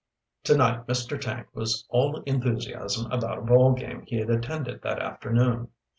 To night Mr. Tank was all enthusiasm about a ball game he had attended that afternoon.